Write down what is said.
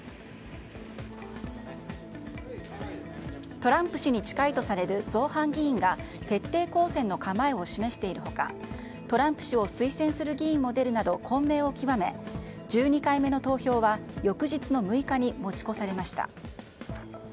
トランプ氏に近いとされる造反議員が徹底抗戦の構えを示している他トランプ氏を推薦する議員も出るなど混迷を極め１２回目の投票は翌日の６日に持ち越されました。